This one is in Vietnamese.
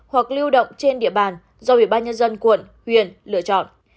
hoặc lưu động trên địa bàn do ubnd quận huyện lựa chọn